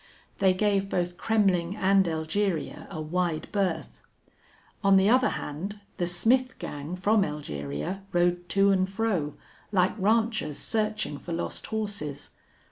They gave both Kremmling and Elgeria a wide berth. On the other hand, the Smith gang from Elgeria rode to and fro, like ranchers searching for lost horses.